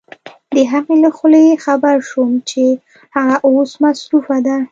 د هغې له خولې خبر شوم چې هغه اوس مصروفه ده.